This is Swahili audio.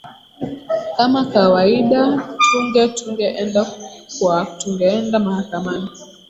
kama kawaida tunge tunge enda kwa tungeenda mahakamani